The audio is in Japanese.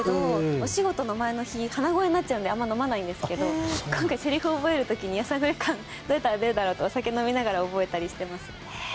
お仕事の前の日鼻声になっちゃうのであまり飲まないんですけど今回、セリフを覚える時にやさぐれ感どうやったら出るだろうとお酒を飲みながら覚えたりしてます。